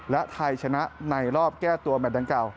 และไทยชนะในรอบแก้ตัวแมทดังเก่า